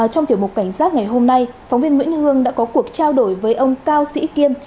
trong tiểu mục cảnh giác ngày hôm nay phóng viên nguyễn hương đã có cuộc trao đổi với ông cao sĩ kiêm